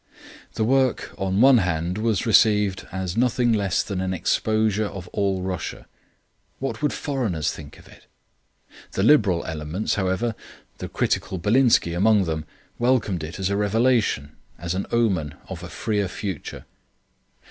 The work on one hand was received as nothing less than an exposure of all Russia what would foreigners think of it? The liberal elements, however, the critical Belinsky among them, welcomed it as a revelation, as an omen of a freer future.